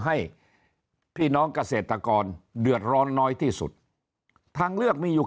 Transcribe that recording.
ให้พี่น้องเกษตรกรเดือดร้อนน้อยที่สุดทางเลือกมีอยู่